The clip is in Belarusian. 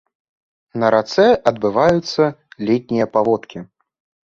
На рацэ адбываюцца летнія паводкі.